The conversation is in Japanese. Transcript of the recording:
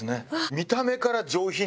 見た目から上品ですよ。